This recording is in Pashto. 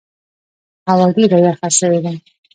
هوا ډېره یخه سوې ده.